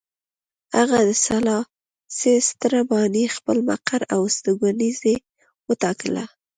هغه د سلاسي ستره ماڼۍ خپل مقر او استوګنځی وټاکله.